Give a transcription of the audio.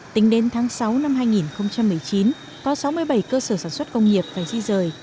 tính đến tháng sáu năm hai nghìn một mươi chín có sáu mươi bảy cơ sở sản xuất công nghiệp phải di rời